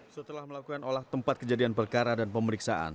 setelah melakukan olah tempat kejadian perkara dan pemeriksaan